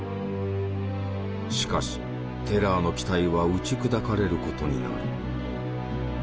しかしテラーの期待は打ち砕かれることになる。